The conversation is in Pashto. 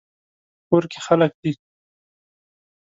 په کور کې خلک دي